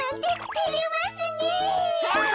てれますねえ。